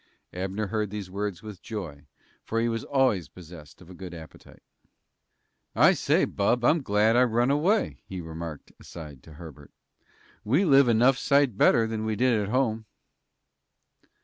Abner heard these words with joy, for he was always possessed of a good appetite. "I say, bub, I'm glad I run away," he remarked, aside, to Herbert. "We live enough sight better than we did at home."